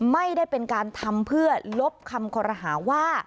ไม่ได้เป็นการทำเพื่อลบคำคอรหาว่า